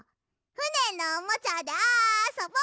ふねのおもちゃであそぼ！